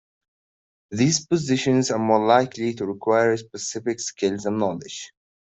These positions are more likely to require specific skills and knowledge.